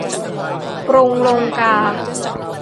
กรุงลงกา